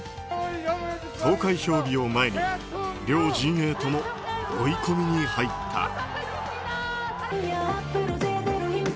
投開票日を前に両陣営とも追い込みに入った。